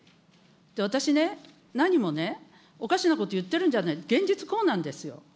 私ね、何もね、おかしなこと言ってるんじゃない、現実、こうなんですよ。